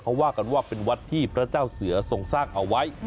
เขาว่ากันว่าเป็นวัดที่พระเจ้าเสือทรงสร้างเอาไว้